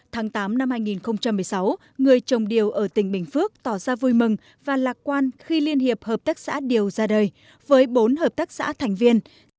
tháng tám năm hai nghìn một mươi sáu người trồng điều ở tỉnh bình phước tỏ ra vui mừng và lạc quan khi liên hiệp hợp tác xã điều ra đời với bốn hợp tác xã thành viên